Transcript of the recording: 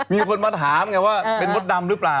มีคนมาถามไงว่าเป็นมดดำหรือเปล่า